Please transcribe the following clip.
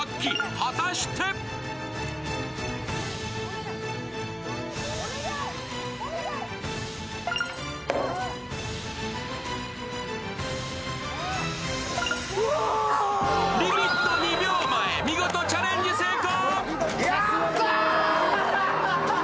果たしてリミット２秒前、見事チャレンジ成功！